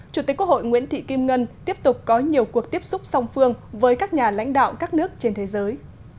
chủ tịch quốc hội nguyễn thị kim ngân tiếp tục có nhiều cuộc tiếp xúc song phương với các nhà lãnh đạo các nước trên thế giới